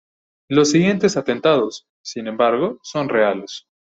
Los siguientes atentados, sin embargo, son reales.